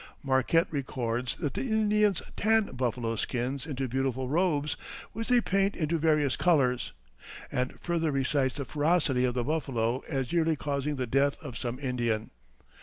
Marquette records that the Indians tan buffalo skins into beautiful robes, which they paint into various colors; and further recites the ferocity of the buffalo as yearly causing the death of some Indian.